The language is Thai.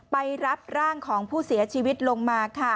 ไปรับร่างของผู้เสียชีวิตลงมาค่ะ